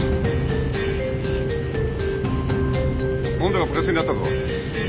温度がプラスになったぞ。